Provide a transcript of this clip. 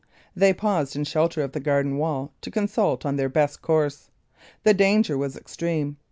They paused in shelter of the garden wall to consult on their best course. The danger was extreme.